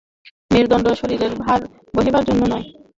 মেরুদণ্ড শরীরের ভার বহিবার জন্য নয়।